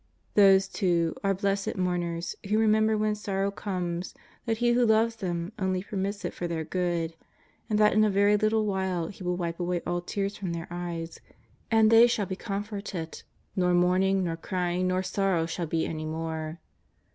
Those, too, are blessed mourners 'who remember when sorrow comes that He who loves them only permits it for their good, and that in a very little while He will wipe away all tears from their eyes, and they shall be comforted, " nor mourning, nor crying, nor sorrow shall be any more."